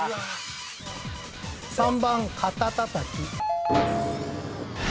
３番かたたたき。